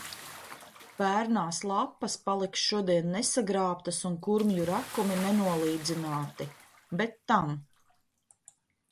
Pērnās lapas paliks šodien nesagrābtas un kurmju rakumi nenolīdzināti. Bet tam.